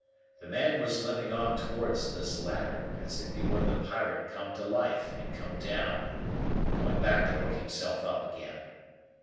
The man was limping on towards this latter, as if he were the pirate come to life, and come down, and going back to hook himself up again.